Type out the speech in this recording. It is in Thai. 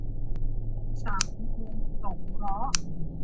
สังคมสงเคราะห์